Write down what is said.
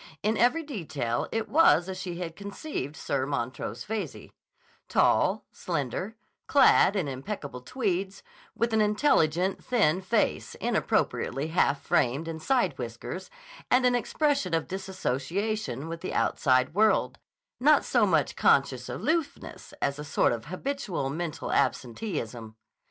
In every detail it was as she had conceived Sir Montrose Veyze: tall, slender, clad in impeccable tweeds, with an intelligent, thin face inappropriately half framed in side whiskers, and an expression of dissociation with the outside world; not so much conscious aloofness as a sort of habitual mental absenteeism.